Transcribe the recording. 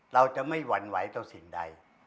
เราจะไม่หวั่นไหวต่อสิ่งใด